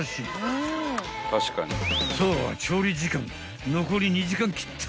［さあ調理時間残り２時間切った］